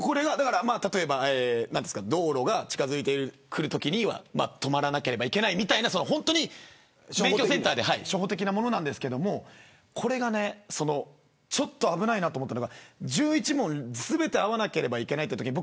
道路に近づくときには止まらなければいけないみたいな免許センターの初歩的なものなんですけどもちょっと危ないなと思ったのが１１問全て合わなければいけないんですけど